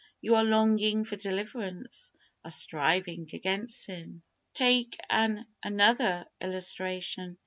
You are longing for deliverance, are striving against sin. Take an another illustration.